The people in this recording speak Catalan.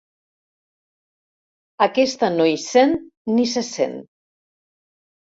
Aquesta no hi sent ni se sent.